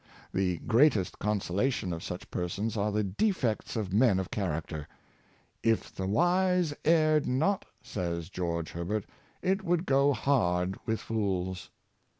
The great est consolation of such persons are the defects of men of character. " If the wise erred not," says George Herbert, ''it would go hard with fools."